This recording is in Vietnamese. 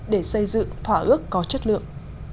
để xây dựng thỏa ước có chất lượng